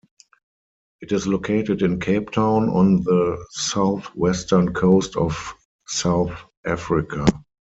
It is located in Cape Town, on the southwestern coast of South Africa.